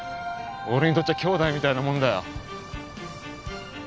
俺にとっちゃ兄弟みたいなもんだよ。